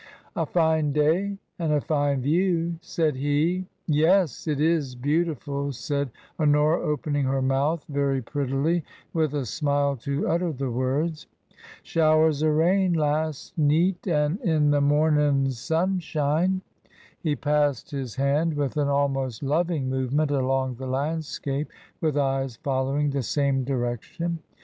A fine day and a fine view," said he. Yes ; it is beautiful," said Honora, opening her mouth very prettily with a smile to utter the words. "Showers o* rain last neet and in the momin' sun shine." He passed his hand with an almost loving movement along the landscape, his eyes following the same direc tion.